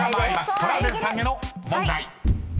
トラウデンさんへの問題］